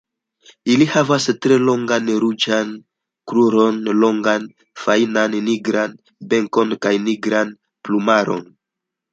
Ili havas tre longajn ruĝajn krurojn, longan fajnan nigran bekon kaj nigran plumaron.